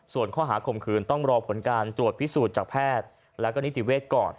ส่วนข้อหาข่มขืนต้องรอผลการตรวจพิสูจน์จากแพทย์และก็นิติเวศก่อน